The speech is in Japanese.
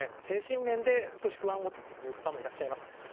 精神面で不安をという方もいらっしゃいます。